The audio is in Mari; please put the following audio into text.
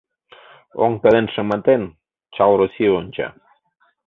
Оҥ пелен шыматен, чал Россий онча.